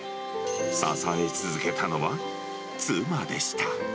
支え続けたのは、妻でした。